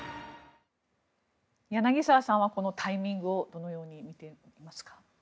柳澤さんはこのタイミングをどのように見ていますか？